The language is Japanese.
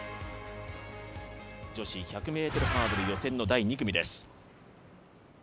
女子１００ハードル予選の第２組です。